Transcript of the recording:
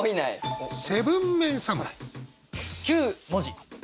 ９文字。